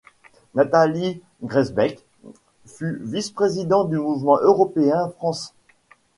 Nathalie Griesbeck fut vice-présidente du Mouvement européen-France.